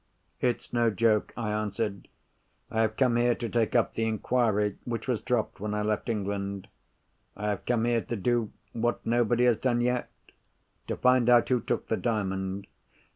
"It's no joke," I answered. "I have come here to take up the inquiry which was dropped when I left England. I have come here to do what nobody has done yet—to find out who took the Diamond."